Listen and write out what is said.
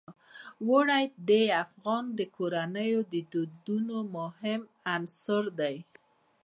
اوړي د افغان کورنیو د دودونو مهم عنصر دی.